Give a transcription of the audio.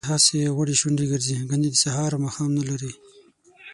احمد هسې غوړې شونډې ګرځي، ګني د سهار او ماښام نه لري